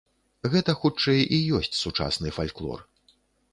Гэта, хутчэй, і ёсць сучасны фальклор.